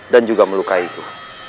dan juga melukai itu